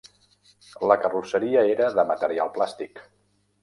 La carrosseria era de material plàstic.